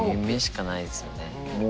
夢しかないですよね。